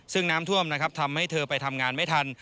ซึ่งน้ำท่วมนะครับทำให้เธอไปทำงานไม่ทัน